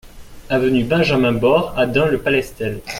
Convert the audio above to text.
Avenue Benjamin Bord à Dun-le-Palestel